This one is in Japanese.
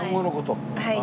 はい。